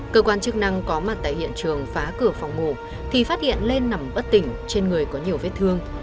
cơ quan chức năng có mặt tại hiện trường phá cửa phòng ngủ thì phát hiện lên nằm bất tỉnh trên người có nhiều vết thương